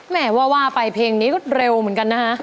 ว่าว่าไปเพลงนี้ก็เร็วเหมือนกันนะฮะ